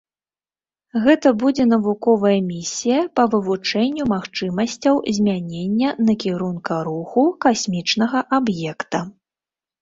Гэта будзе навуковая місія па вывучэнню магчымасцяў змянення накірунка руху касмічнага аб'екта.